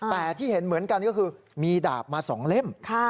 แต่ที่เห็นเหมือนกันก็คือมีดาบมา๒เล่ม